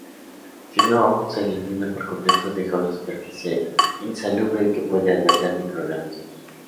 Si no se elimina por completo deja una superficie insalubre que puede albergar microorganismos.